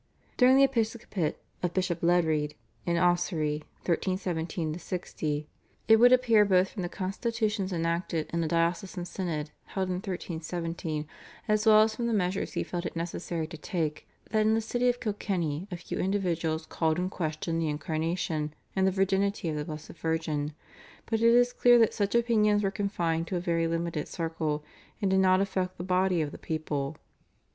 During the episcopate of Bishop Ledrede in Ossory (1317 60), it would appear both from the constitutions enacted in a diocesan synod held in 1317 as well as from the measures he felt it necessary to take, that in the city of Kilkenny a few individuals called in question the Incarnation, and the Virginity of the Blessed Virgin, but it is clear that such opinions were confined to a very limited circle and did not affect the body of the people.